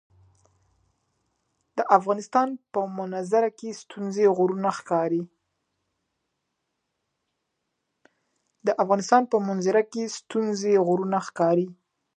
د افغانستان په منظره کې ستوني غرونه ښکاره ده.